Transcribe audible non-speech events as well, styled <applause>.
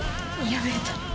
やめた <laughs>